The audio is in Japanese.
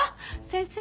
先生。